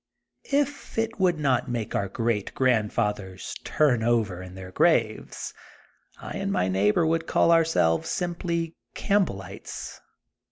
If it would not make our great grandfathers turn over in their graves, I and my neighbor would call ourselves simply Campbellites.